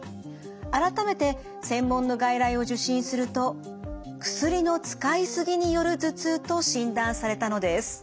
改めて専門の外来を受診すると薬の使いすぎによる頭痛と診断されたのです。